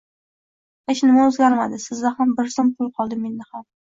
Hech nima o’zgarmadi. Sizda ham bir so’m pul qoldi, menda ham.